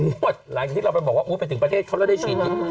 งวดหลังจากที่เราไปบอกว่าไปถึงประเทศเขาแล้วได้ฉีด